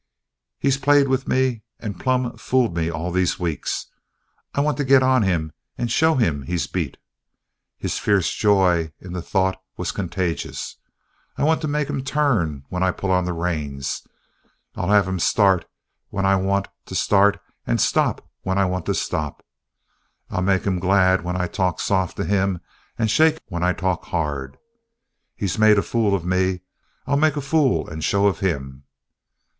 He's played with me and plumb fooled me all these weeks. I want to get on him and show him he's beat." His fierce joy in the thought was contagious. "I want to make him turn when I pull on the reins. I'll have him start when I want to start and stop when I want to stop. I'll make him glad when I talk soft to him and shake when I talk hard. He's made a fool of me; I'll make a fool and a show of him.